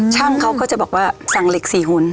ช่างเขาก็จะบอกว่าสั่งเหล็ก๔หุ่น